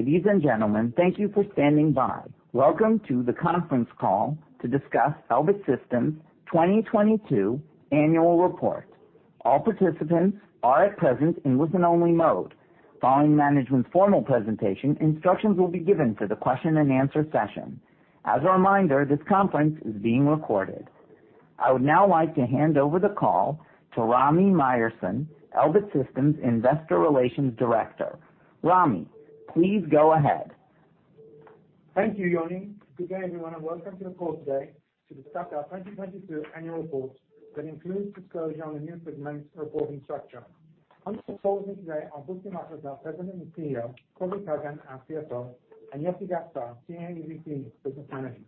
Ladies and gentlemen, thank you for standing by. Welcome to the conference call to discuss Elbit Systems' 2022 annual report. All participants are at present in listen-only mode. Following management's formal presentation, instructions will be given for the question-and-answer session. As a reminder, this conference is being recorded. I would now like to hand over the call to Rami Myerson, Elbit Systems' Investor Relations Director. Rami, please go ahead. Thank you, Yoni. Good day, everyone, and welcome to the call today to discuss our 2022 annual report that includes disclosure on the new segment's reporting structure. On this call with me today are Butzi Machlis, our President and CEO, Kobi Kagan, our CFO, and Yossi Gaspar, Senior VP, Business Management.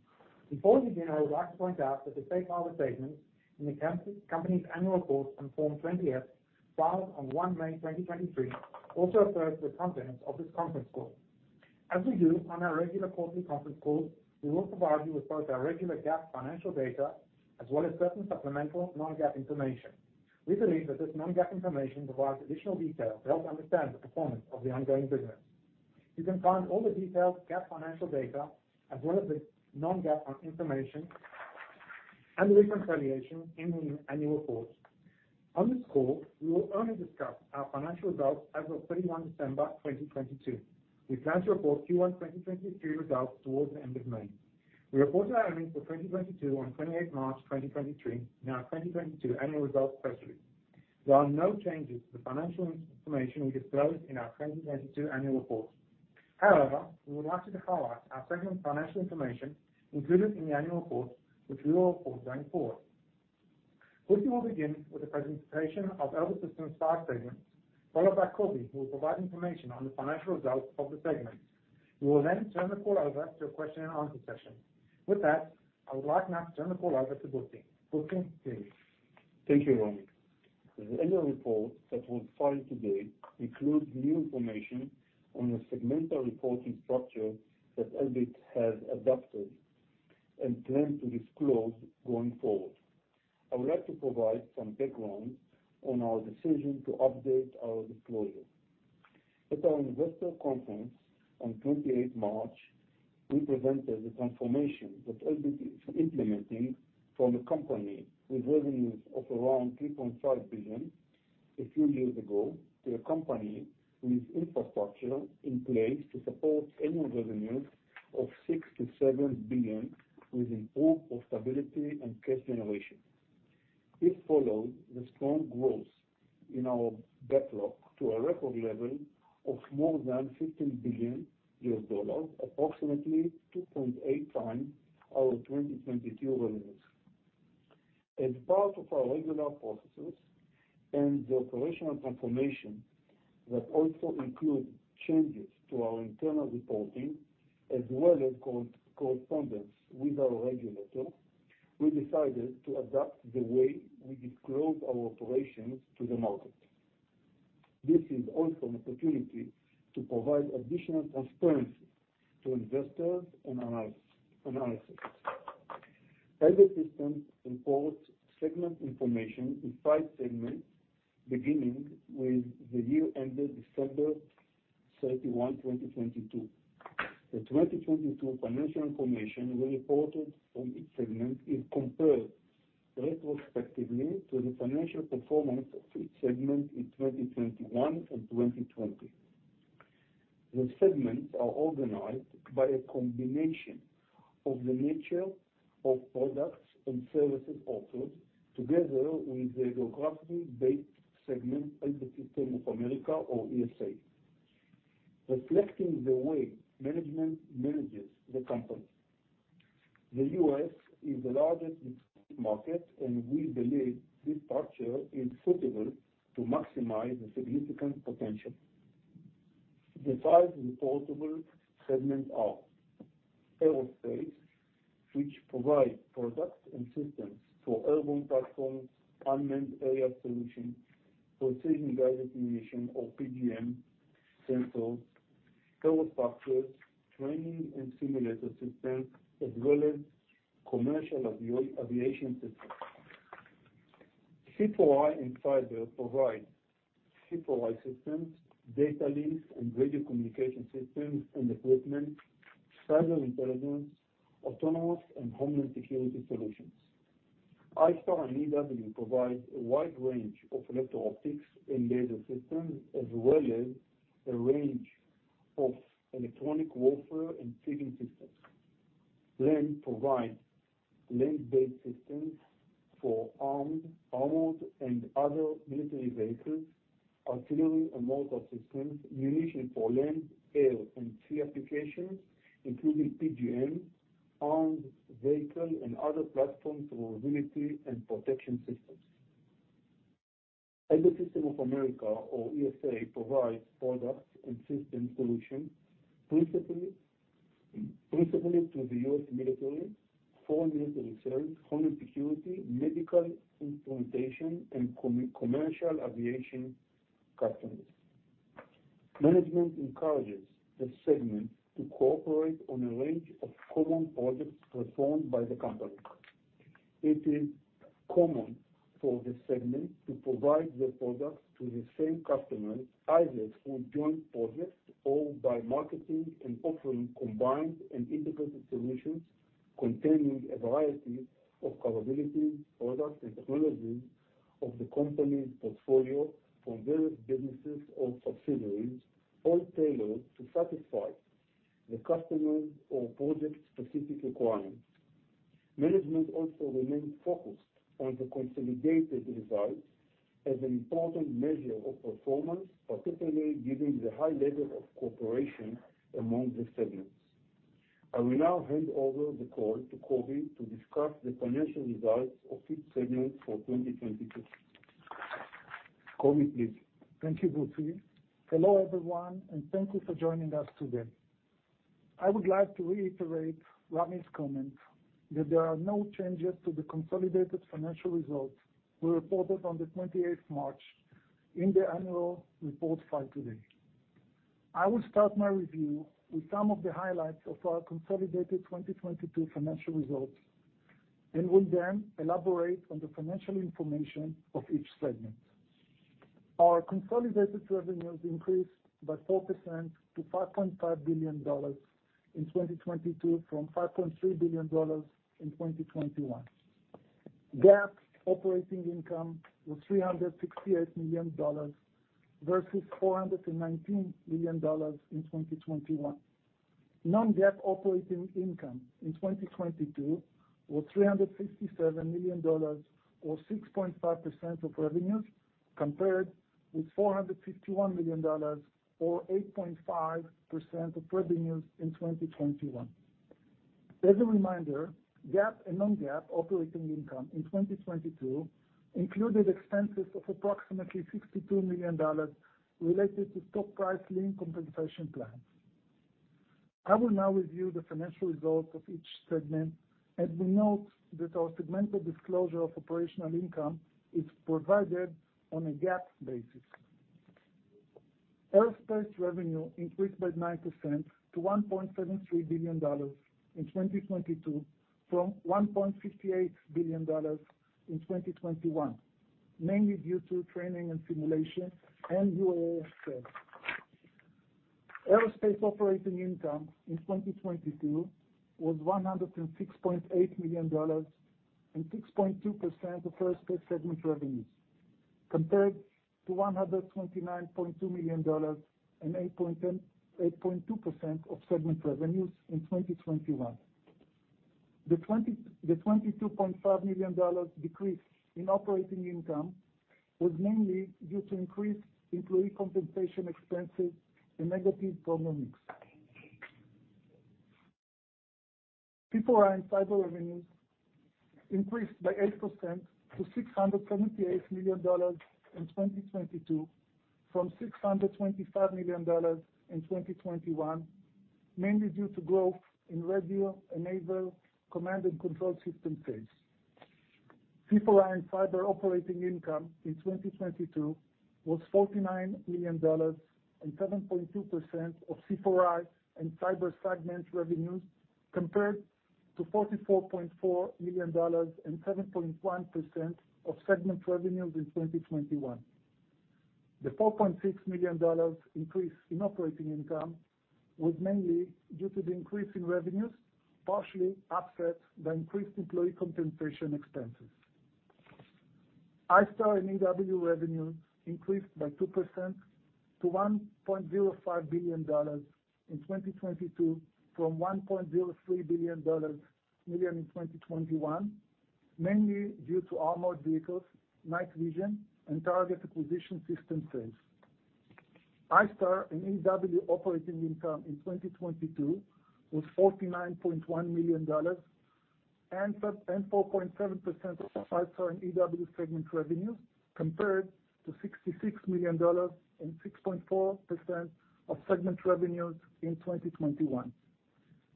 Before we begin, I would like to point out that the safe harbor statements in the company's annual report on Form 20-F, filed on 1 May 2023, also applies to the contents of this conference call. As we do on our regular quarterly conference calls, we will provide you with both our regular GAAP financial data as well as certain supplemental non-GAAP information. We believe that this non-GAAP information provides additional detail to help understand the performance of the ongoing business. You can find all the detailed GAAP financial data as well as the non-GAAP information and reconciliation in the annual report. On this call, we will only discuss our financial results as of 31 December 2022. We plan to report Q1 2023 results towards the end of May. We reported our earnings for 2022 on 28 March 2023 in our 2022 annual results press release. There are no changes to the financial information we disclosed in our 2022 annual report. We would like to highlight our segment financial information included in the annual report, which we will report going forward. Butzi will begin with a presentation of Elbit Systems' five segments, followed by Kobi, who will provide information on the financial results of the segments. We will turn the call over to a question-and-answer session. With that, I would like now to turn the call over to Butzi. Butzi, please. Thank you, Rami. The annual report that was filed today includes new information on the segmental reporting structure that Elbit has adopted and plans to disclose going forward. I would like to provide some background on our decision to update our disclosure. At our investor conference on 28 March, we presented the transformation that Elbit is implementing from a company with revenues of around $3.5 billion a few years ago, to a company with infrastructure in place to support annual revenues of $6 billion-$7 billion, with improved profitability and cash generation. This follows the strong growth in our backlog to a record level of more than $15 billion, approximately 2.8 times our 2022 revenues. As part of our regular processes and the operational transformation that also includes changes to our internal reporting as well as correspondence with our regulator, we decided to adapt the way we disclose our operations to the market. This is also an opportunity to provide additional transparency to investors and analysts. Elbit Systems reports segment information in 5 segments, beginning with the year ended December 31, 2022. The 2022 financial information we reported from each segment is compared retrospectively to the financial performance of each segment in 2021 and 2020. The segments are organized by a combination of the nature of products and services offered together with the geographically-based segment, Elbit Systems of America or ESA, reflecting the way management manages the company. The U.S. is the largest market, and we believe this structure is suitable to maximize the significant potential. The five reportable segments are aerospace, which provide products and systems for airborne platforms, unmanned aerial solutions, precision-guided ammunition or PGM, sensors, infrastructure, training and simulator systems, as well as commercial aviation systems. C4I and cyber provide C4I systems, data links and radio communication systems and equipment, cyber intelligence, autonomous and homeland security solutions. ISTAR and EW provides a wide range of electro-optics and laser systems, as well as a range of electronic warfare and tagging systems. Provide land-based systems for armed, armored, and other military vehicles, artillery and mortar systems, munition for land, air, and sea applications, including PGM, armed vehicle and other platforms for mobility and protection systems. Elbit Systems of America or ESA, provides products and systems solutions principally to the U.S. military, foreign military sales, homeland security, medical implementation, and commercial aviation customers. Management encourages the segment to cooperate on a range of common projects performed by the company. It is common for this segment to provide the products to the same customers, either through joint projects or by marketing and offering combined and integrated solutions containing a variety of capabilities, products, and technologies of the company's portfolio from various businesses or subsidiaries, all tailored to satisfy the customers or project-specific requirements. Management also remains focused on the consolidated results as an important measure of performance, particularly given the high level of cooperation among the segments. I will now hand over the call to Kobi to discuss the financial results of each segment for 2022. Kobi, please. Thank you, Butzi. Hello, everyone, and thank you for joining us today. I would like to reiterate Rami's comment that there are no changes to the consolidated financial results we reported on the 28th March in the annual report filed today. I will start my review with some of the highlights of our consolidated 2022 financial results, and will then elaborate on the financial information of each segment. Our consolidated revenues increased by 4% to $5.5 billion in 2022, from $5.3 billion in 2021. GAAP operating income was $368 million versus $419 million in 2021. Non-GAAP operating income in 2022 was $357 million or 6.5% of revenues, compared with $451 million or 8.5% of revenues in 2021. As a reminder, GAAP and non-GAAP operating income in 2022 included expenses of approximately $62 million related to stock price link compensation plans. I will now review the financial results of each segment. We note that our segmental disclosure of operational income is provided on a GAAP basis. Aerospace revenue increased by 9% to $1.73 billion in 2022, from $1.58 billion in 2021, mainly due to training and simulation and UAS sales. Aerospace operating income in 2022 was $106.8 million and 6.2% of aerospace segment revenues, compared to $129.2 million and 8.2% of segment revenues in 2021. The $22.5 million decrease in operating income was mainly due to increased employee compensation expenses and negative program mix. C4I & Cyber revenues increased by 8% to $678 million in 2022 from $625 million in 2021, mainly due to growth in radio, enable, command and control system sales. C4I & Cyber operating income in 2022 was $49 million, and 7.2% of C4I & Cyber segment revenues, compared to $44.4 million and 7.1% of segment revenues in 2021. The $4.6 million increase in operating income was mainly due to the increase in revenues, partially offset by increased employee compensation expenses. ISTAR & EW revenue increased by 2% to $1.05 billion in 2022 from $1.03 billion in 2021, mainly due to armored vehicles, night vision, and target acquisition system sales. ISTAR & EW operating income in 2022 was $49.1 million and 4.7% of ISTAR & EW segment revenues, compared to $66 million and 6.4% of segment revenues in 2021.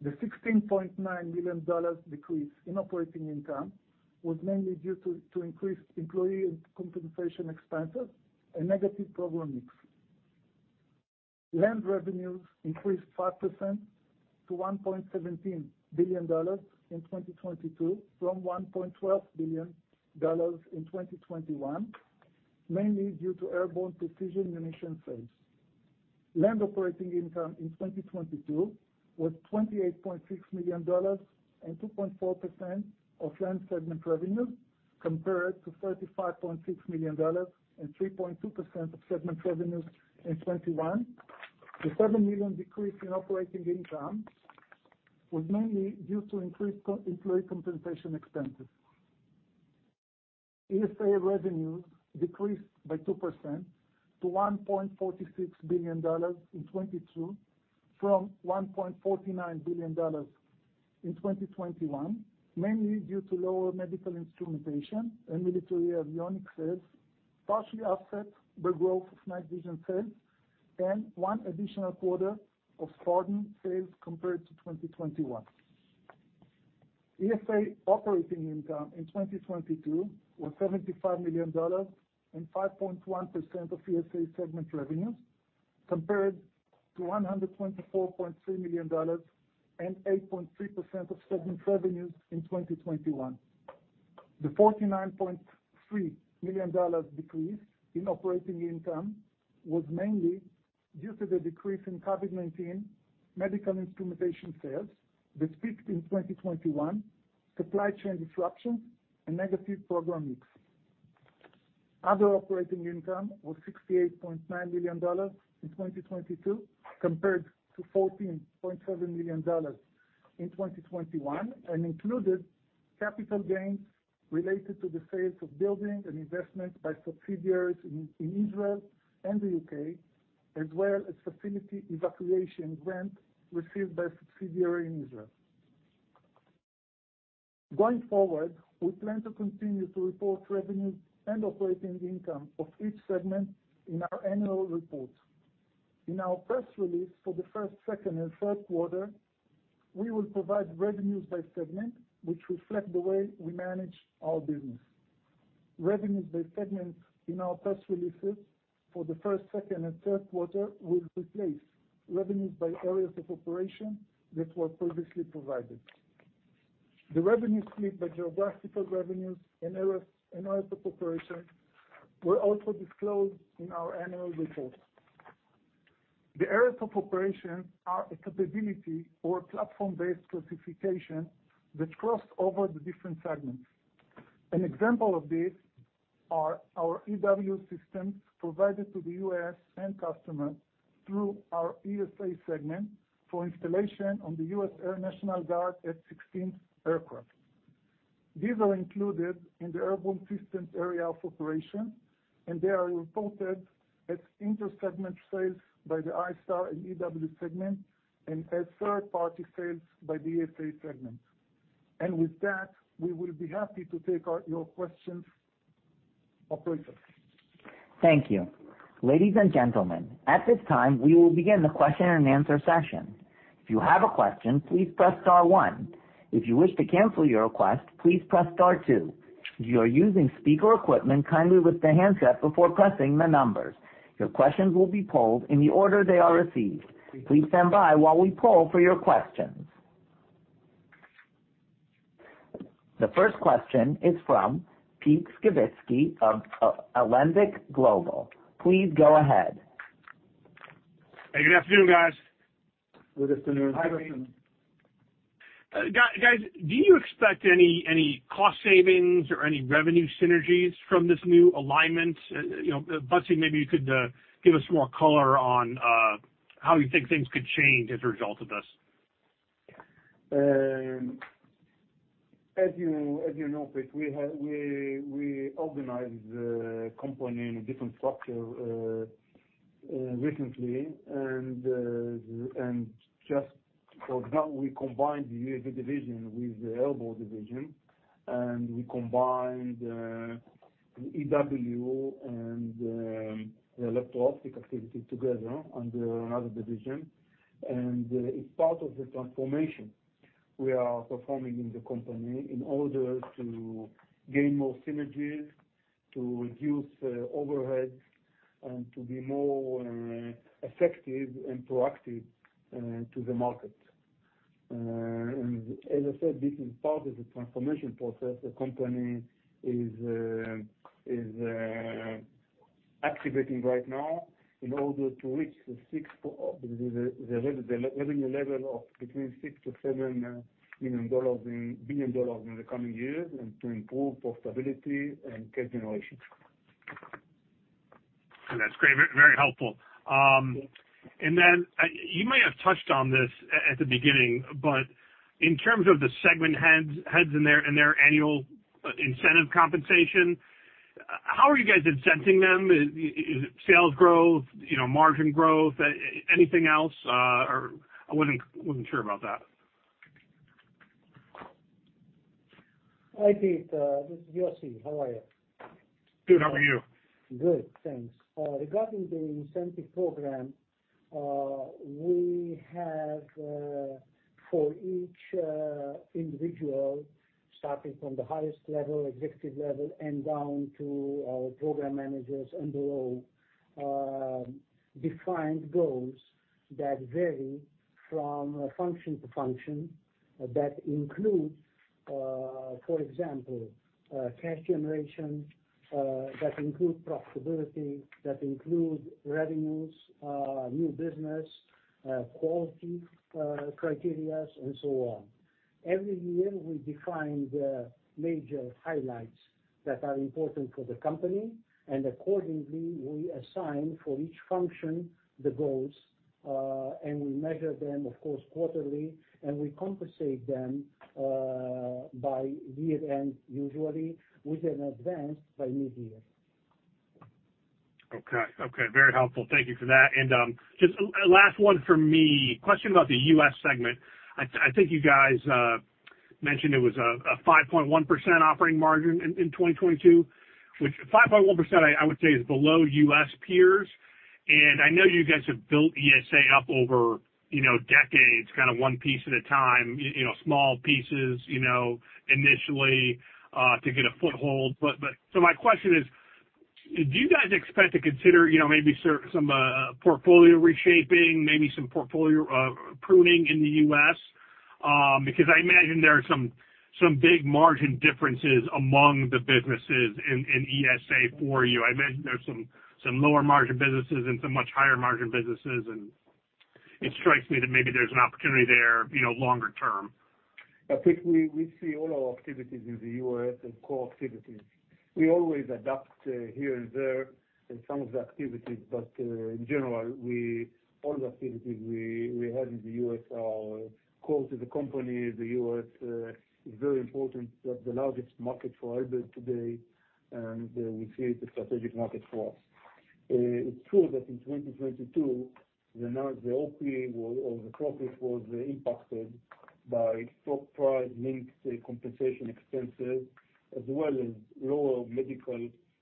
The $16.9 million decrease in operating income was mainly due to increased employee compensation expenses and negative program mix. Land revenues increased 5% to $1.17 billion in 2022 from $1.12 billion in 2021, mainly due to airborne precision munition sales. Land operating income in 2022 was $28.6 million and 2.4% of land segment revenues, compared to $35.6 million and 3.2% of segment revenues in 2021. The $7 million decrease in operating income was mainly due to increased employee compensation expenses. ESA revenues decreased by 2% to $1.46 billion in 2022 from $1.49 billion in 2021, mainly due to lower medical instrumentation and military avionics sales, partially offset by growth of night vision sales and one additional quarter of Sparton sales compared to 2021. ESA operating income in 2022 was $75 million and 5.1% of ESA segment revenues. Compared to $124.3 million and 8.3% of segment revenues in 2021. The $49.3 million decrease in operating income was mainly due to the decrease in COVID-19 medical instrumentation sales that peaked in 2021, supply chain disruptions and negative program mix. Other operating income was $68.9 million in 2022 compared to $14.7 million in 2021, and included capital gains related to the sales of buildings and investments by subsidiaries in Israel and the UK, as well as facility evacuation grant received by a subsidiary in Israel. Going forward, we plan to continue to report revenues and operating income of each segment in our annual report. In our press release for the first, second, and third quarter, we will provide revenues by segment, which reflect the way we manage our business. Revenues by segment in our press releases for the Q1, Q2, and Q3 will replace revenues by areas of operation that were previously provided. The revenue split by geographical revenues and areas of operation will also disclose in our annual report. The areas of operations are a capability or platform-based classification that cross over the different segments. An example of this are our EW systems provided to the U.S. and customers through our ESA segment for installation on the U.S. Air National Guard F-16 aircraft. They are reported as inter-segment sales by the ISTAR and EW segment and as third-party sales by the ESA segment. With that, we will be happy to take your questions, operator. Thank you. Ladies and gentlemen, at this time, we will begin the question and answer session. If you have a question, please press star one. If you wish to cancel your request, please press star two. If you are using speaker equipment, kindly lift the handset before pressing the numbers. Your questions will be polled in the order they are received. Please stand by while we poll for your questions. The first question is from Peter Skibitski of Alembic Global Advisors. Please go ahead. Hey, good afternoon, guys. Good afternoon. Hi, Pete. guys, do you expect any cost savings or any revenue synergies from this new alignment? Butzi, maybe you could give us more color on how you think things could change as a result of this. As you know, Pete, we organized the company in a different structure recently. Just for now, we combined the UAV division with the airborne division, and we combined the EW and the electro-optics activity together under another division. It's part of the transformation we are performing in the company in order to gain more synergies, to reduce overheads and to be more effective and proactive to the market. As I said, this is part of the transformation process the company is activating right now in order to reach the revenue level of between $6 billion-$7 billion in the coming years and to improve profitability and cash generation. That's great. Very helpful. You might have touched on this at the beginning, but in terms of the segment heads and their annual, incentive compensation, how are you guys incenting them? Is it sales growth, margin growth, anything else? I wasn't sure about that. Hi, Pete. This is Yossi. How are you? Good. How are you? Good, thanks. Regarding the incentive program, we have for each individual, starting from the highest level, executive level, and down to our program managers and below, defined goals that vary from function to function. That includes, for example, cash generation, that include profitability, that include revenues, new business, quality, criteria and so on. Every year, we define the major highlights that are important for the company. Accordingly, we assign for each function the goals, and we measure them, of course, quarterly, and we compensate them by year-end, usually with an advance by mid-year. Okay, very helpful. Thank you for that. Just a last one for me. Question about the U.S. segment. I think you guys mentioned it was a 5.1% operating margin in 2022, which 5.1% I would say is below U.S. peers. I know you guys have built ESA up over, decades, kind of one piece at a time, small pieces, initially, to get a foothold. My question is Do you guys expect to consider, maybe some portfolio reshaping, maybe some portfolio pruning in the U.S.? Because I imagine there are some big margin differences among the businesses in ESA for you. I imagine there are some lower margin businesses and some much higher margin businesses, and it strikes me that maybe there's an opportunity there, longer term. I think we see all our activities in the U.S. as core activities. We always adapt here and there in some of the activities, in general, we all the activities we have in the U.S. are core to the company. The U.S. is very important. It's the largest market for Elbit today, we see it's a strategic market for us. It's true that in 2022, the OpEx or the profit was impacted by stock price linked compensation expenses as well as lower medical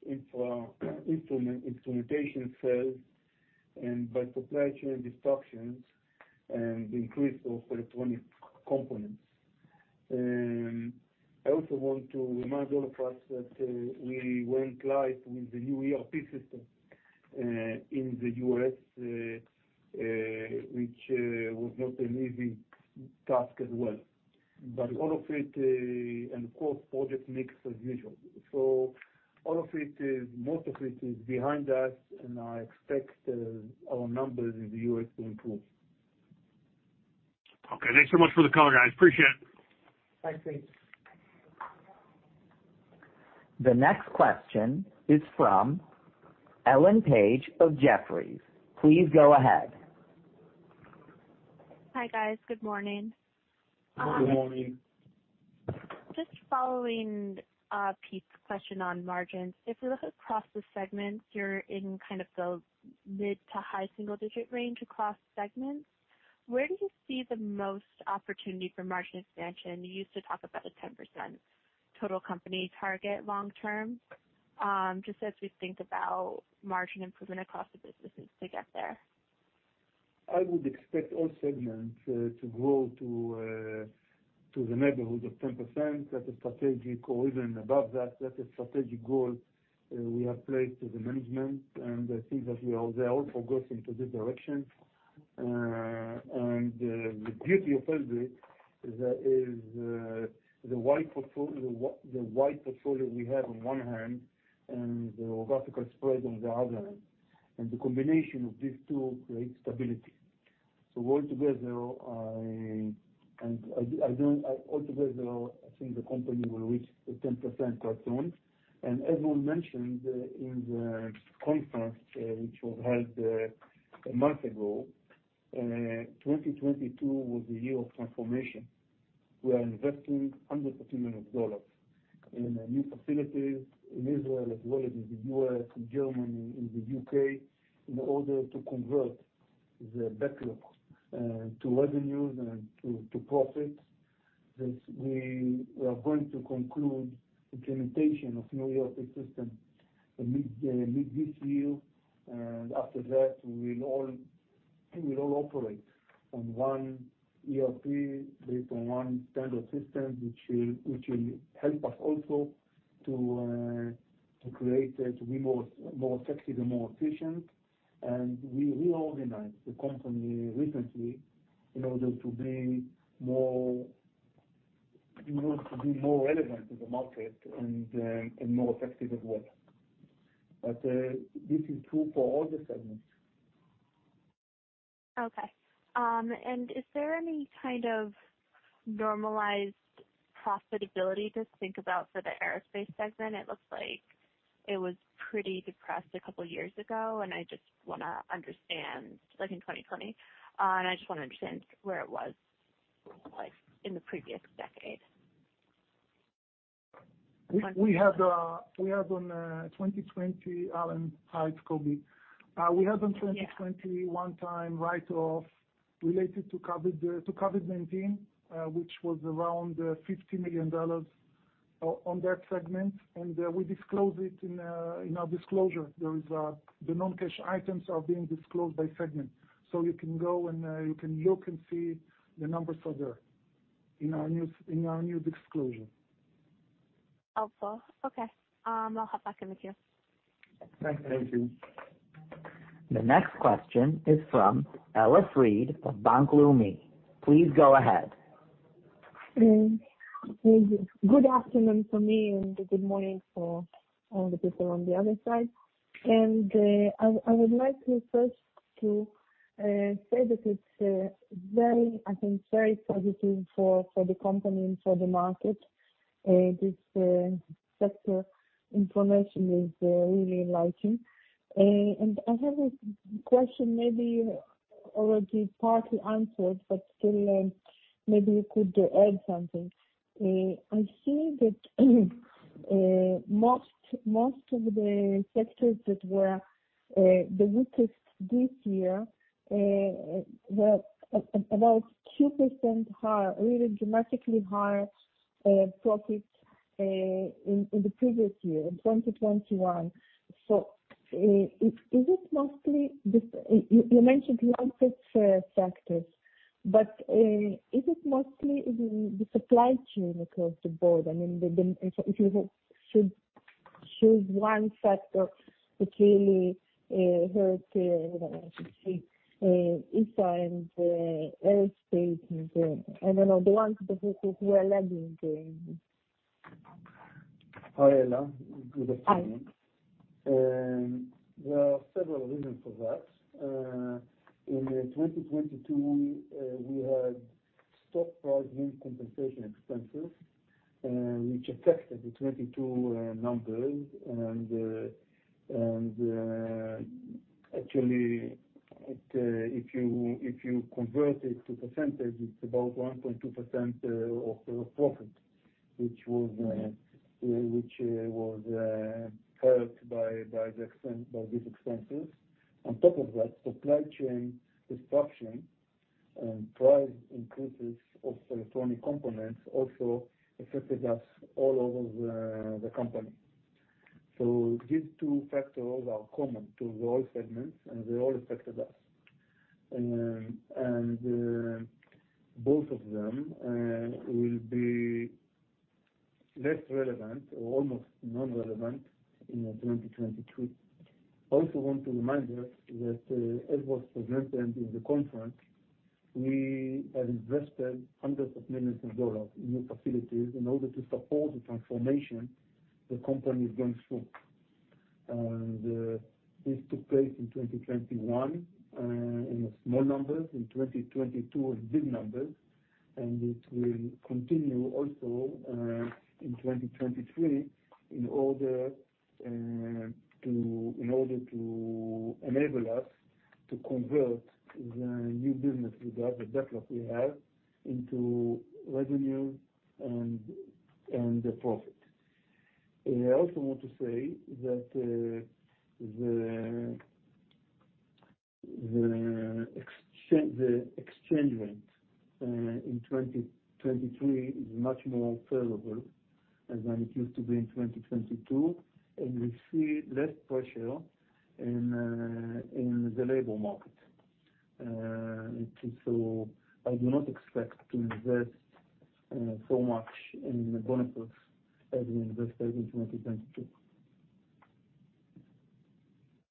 instrumentation sales and by supply chain disruptions and the increase of electronic components. I also want to remind all of us that we went live with the new ERP system in the U.S. which was not an easy task as well. All of it, and of course project mix as usual. All of it is, most of it is behind us, and I expect, our numbers in the U.S. to improve. Okay. Thanks so much for the color, guys. Appreciate it. Thanks, Pete. The next question is from Sheila Page of Jefferies. Please go ahead. Hi, guys. Good morning. Good morning. Just following, Pete's question on margins. If we look across the segments, you're in kind of the mid to high single digit range across segments. Where do you see the most opportunity for margin expansion? You used to talk about a 10% total company target long term, just as we think about margin improvement across the businesses to get there. I would expect all segments to grow to the neighborhood of 10%. That's a strategic, or even above that's a strategic goal we have placed to the management. I think that we are there also going into this direction. The beauty of Elbit is the wide portfolio we have on one hand and the geographical spread on the other. The combination of these two creates stability. All together, I altogether, I think the company will reach the 10% target. As Ron mentioned in the conference, which was held a month ago, 2022 was a year of transformation. We are investing $100 million in new facilities in Israel as well as in the U.S., in Germany, in the U.K., in order to convert the backlog to revenues and to profits. We are going to conclude implementation of new ERP system mid this year. After that, we will all operate on one ERP based on one standard system, which will help us also to create, to be more effective and more efficient. We reorganized the company recently in order to be more relevant to the market and more effective as well. This is true for all the segments. Okay. Is there any kind of normalized profitability to think about for the aerospace segment? It looks like it was pretty depressed a couple years ago, and I just wanna understand, like in 2020, and I just wanna understand where it was like in the previous decade. Ellen, hi, it's Kobi. We had on 2020 one-time write-off related to COVID-19, which was around $50 million on that segment. We disclose it in our disclosure. There is the non-cash items are being disclosed by segment. You can go and you can look and see the numbers are there in our new disclosure. Helpful. Okay. I'll hop back in the queue. Thanks, Thank you. The next question is from Ella Friedman of Bank Leumi. Please go ahead. Good afternoon from me, good morning for all the people on the other side. I would like first to say that it's very, I think, very positive for the company and for the market. This sector information is really enlightening. I have a question maybe already partly answered, but still, maybe you could add something. I see that most of the sectors that were the weakest this year were about 2% higher, really dramatically higher profit in the previous year, in 2021. Is it mostly the... you mentioned you inaudible factors, but is it mostly in the supply chain across the board? I mean the... If you could choose one factor that really hurt, I don't know what to say, ESA and aerospace and then the ones who are lagging in. Hi, Ella. Good afternoon. Hi. There are several reasons for that. In 2022, we had stock compensation expenses, which affected the 22 numbers. Actually it, if you, if you convert it to percentage, it's about 1.2% of the profit, which was hurt by these expenses. On top of that, supply chain disruption and price increases of electronic components also affected us all over the company. These two factors are common to all segments, and they all affected us. Both of them will be less relevant or almost non-relevant in 2023. I also want to remind you that, as was presented in the conference, we have invested hundreds of millions of dollars in new facilities in order to support the transformation the company is going through. This took place in 2021, in small numbers. In 2022 was big numbers, and it will continue also, in 2023 in order to enable us to convert the new business we got, the backlog we have, into revenue and profit. I also want to say that, the exchange, the exchange rate, in 2023 is much more favorable than it used to be in 2022, and we see less pressure in the labor market. I do not expect to invest, so much in bonuses as we invested in 2022.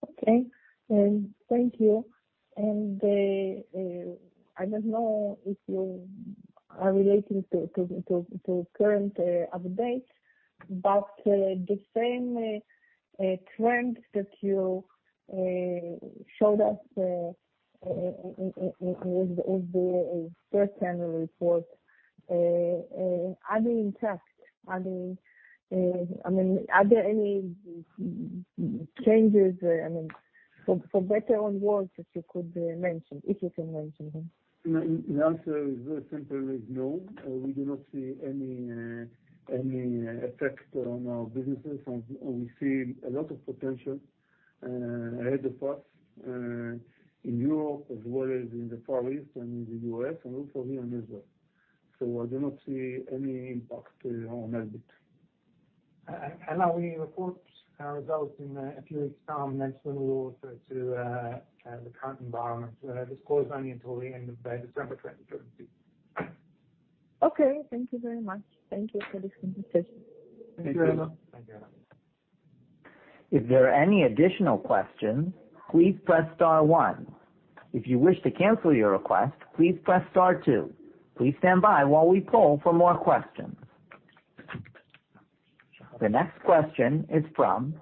Okay. Thank you. I don't know if you are relating to current updates, but the same trend that you showed us with the first annual report, are they intact? Are they, I mean, are there any changes, I mean, for better or worse that you could mention, if you can mention them? No. The answer is very simply no. We do not see any effect on our businesses. We see a lot of potential ahead of us in Europe as well as in the Far East and in the U.S. and also here in Israel. I do not see any impact on Elbit. Ella, we report our results in a few weeks time, mentioning also to, the current environment. That is of course only until the end of December 2022. Okay. Thank you very much. Thank you for this conversation. Thank you. Thank you, Ella. If there are any additional questions, please press star 1. If you wish to cancel your request, please press star 2. Please stand by while we poll for more questions. The next question is from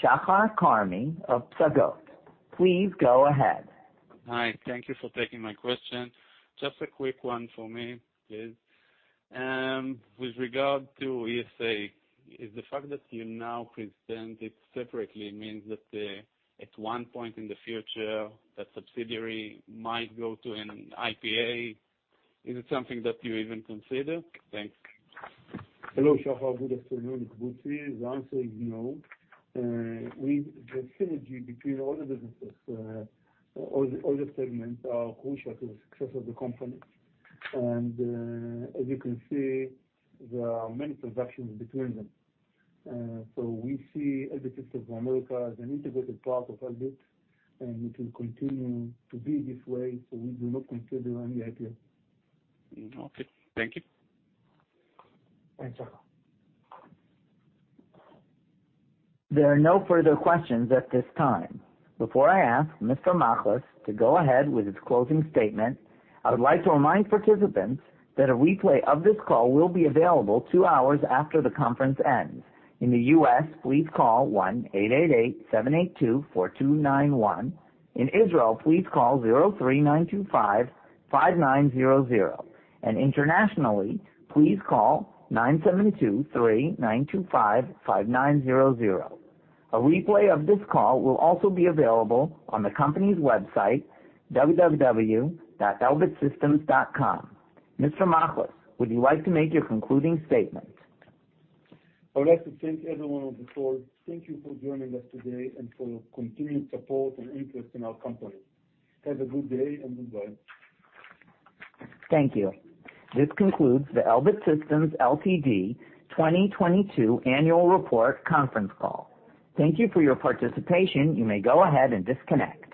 Shahar Carmy of Psagot. Please go ahead. Hi. Thank you for taking my question. Just a quick one for me, please. With regard to ESA, is the fact that you now present it separately means that, at one point in the future, that subsidiary might go to an IPO? Is it something that you even consider? Thanks. Hello, Shahar. Good afternoon. It's Guti. The answer is no. The synergy between all the businesses, all the segments are crucial to the success of the company. As you can see, there are many transactions between them. We see Elbit Systems of America as an integrated part of Elbit, and it will continue to be this way, so we do not consider any IPO. Okay. Thank you. Thanks, Shahar. There are no further questions at this time. Before I ask Mr. Machlis to go ahead with his closing statement, I would like to remind participants that a replay of this call will be available two hours after the conference ends. In the U.S., please call 1-888-782-4291. In Israel, please call 03-925-5900. Internationally, please call 972-3-925-5900. A replay of this call will also be available on the company's website, www.elbitsystems.com. Mr. Machlis, would you like to make your concluding statement? I would like to thank everyone on the floor. Thank you for joining us today and for your continued support and interest in our company. Have a good day and goodbye. Thank you. This concludes the Elbit Systems Ltd 2022 annual report conference call. Thank you for your participation. You may go ahead and disconnect.